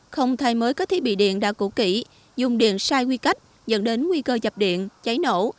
không thay mới các thiết bị điện đã cũ kỹ dùng điện sai quy cách dẫn đến nguy cơ chập điện cháy nổ